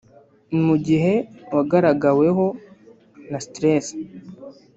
Mu gihe wagaragaweho na stress